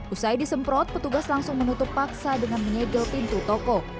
usai disemprot petugas langsung menutup paksa dengan menyegel pintu toko